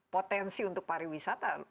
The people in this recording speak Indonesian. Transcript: potensi untuk pariwisata